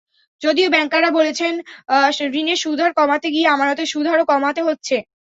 যদিও ব্যাংকাররা বলছেন, ঋণের সুদহার কমাতে গিয়ে আমানতের সুদহারও কমাতে হচ্ছে।